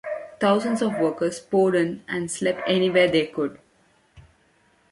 Thousands of workers poured in and slept anywhere they could.